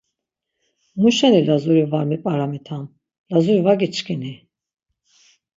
Muşeni Lazuri var mip̌aramitam, Lazuri var giçkini?